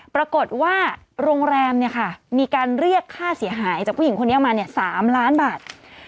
ปรากฏว่าโรงแรมมีการเรียกค่าเสียหายจากผู้หญิงคนนี้ออกมา๓ล้านบาท